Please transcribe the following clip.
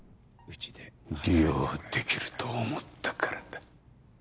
利用できると思ったからだ。